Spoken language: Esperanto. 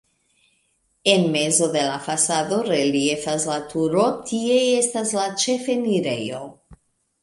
En mezo de la fasado reliefas la turo, tie estas la ĉefenirejo.